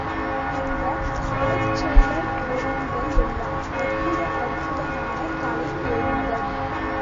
இந்த ஹொய்சலர் கோயில்கள் எல்லாம் அற்புதம் அற்புதமான கலைக் கோயில்கள்.